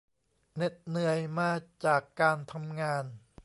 เหน็ดเหนื่อยมาจากการทำงาน